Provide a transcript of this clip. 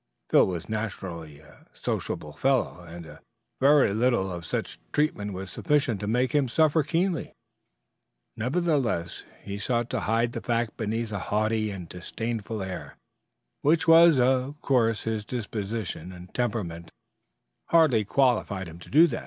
Phil was naturally a sociable fellow, and a very little of such treatment was sufficient to make him suffer keenly. Nevertheless he sought to hide the fact beneath a haughty and disdainful air, which was a course his disposition and temperament hardly qualified him to do.